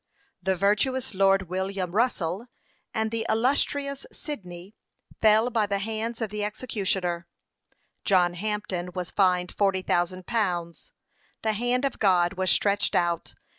The virtuous Lord William Russel, and the illustrious Sydney, fell by the hands of the executioner: John Hampden was fined forty thousand pounds. The hand of God was stretched out.